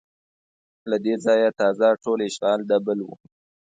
له دې ځایه تازه ټول اشغال د بل و